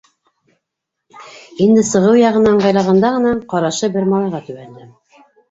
— Инде сығыу яғына ыңғайлағанда ғына, ҡарашы бер малайға төбәлде.